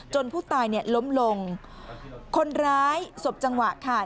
จนผู้ตายล้มลงคนร้ายสบจังหวะค่ะ